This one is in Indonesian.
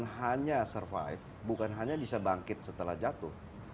bukan hanya survive bukan hanya bisa bangkit setelah jatuh